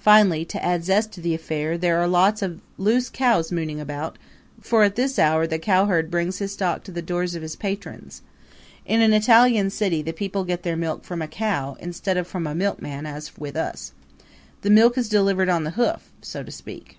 Finally, to add zest to the affair, there are lots of loose cows mooning about for at this hour the cowherd brings his stock to the doors of his patrons. In an Italian city the people get their milk from a cow, instead of from a milkman as with us. The milk is delivered on the hoof, so to speak.